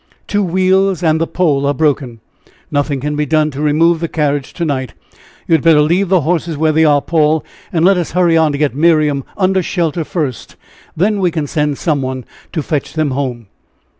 "Two wheels and the pole are broken nothing can be done to remove the carriage to night. You had better leave the horses where they are, Paul, and let us hurry on to get Miriam under shelter first, then we can send some one to fetch them home."